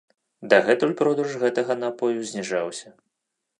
Дагэтуль продаж гэтага напою зніжаўся.